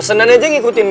gue akan bilang itu dulu